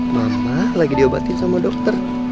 mama lagi diobatin sama dokter